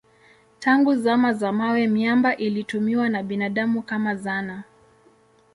Tangu zama za mawe miamba ilitumiwa na binadamu kama zana.